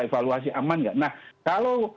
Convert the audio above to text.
evaluasi aman nah kalau